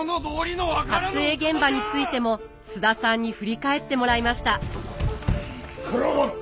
撮影現場についても菅田さんに振り返ってもらいました九郎殿！